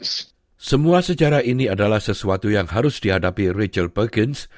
semua sejarah ini adalah sesuatu yang harus dihadapi richar bergens